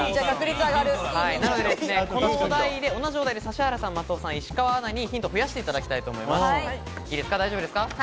この同じお題で、指原さん、松尾さん、石川アナにヒントを増やしてもらいたいと思います。